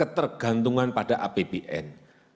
ketergantungan pada apbn